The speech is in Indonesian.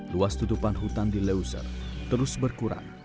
luas tutupan hutan di leuser terus berkurang